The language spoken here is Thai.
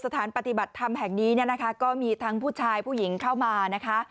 สถานปฏิบัติธรรมแห่งนี้เนี่ยนะคะก็มีทั้งผู้ชายผู้หญิงเข้ามานะคะ